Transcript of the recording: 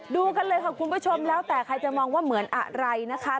ดูกันเลยค่ะคุณผู้ชมแล้วแต่ใครจะมองว่าเหมือนอะไรนะคะ